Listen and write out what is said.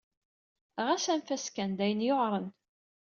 Ɣas anef-as kan! D ayen yuɛren.